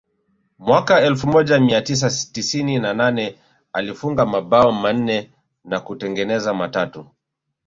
Mwaka elfu moja mia tisa tisini na nane alifunga mabao manne na kutengeneza matatu